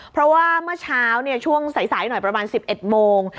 เพราะว่าเมื่อเช้าช่วงสายหน่อยประมาณ๑๑โมง